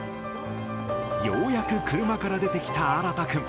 ようやく車から出てきた新くん。